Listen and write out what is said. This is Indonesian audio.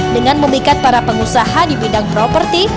dengan memikat para pengusaha di bidang properti